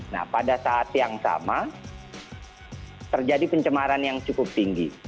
nah pada saat yang sama terjadi pencemaran yang cukup tinggi